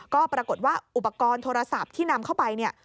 ก็ปรากฏว่าอุปกรณ์โทรศัพท์ที่นำเข้าไปเนี่ย